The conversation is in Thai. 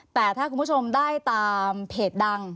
แต่ถ้าคุณผู้ชมได้ตามเพจดัง